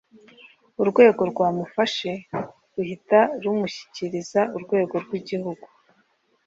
urwego rwamufashe ruhita rumushyikiriza Urwego rw'Igihugu